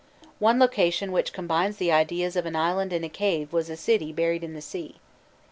One location which combined the ideas of an island and a cave was a city buried in the sea.